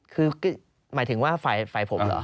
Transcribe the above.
คือก็หมายถึงว่าฝ่ายฝ่ายผมเหรอ